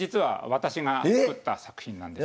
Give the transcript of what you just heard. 私が作った作品なんです。